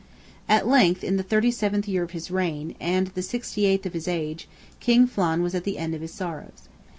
At length, in the 37th year of his reign, and the 68th of his age, King Flan was at the end of his sorrows.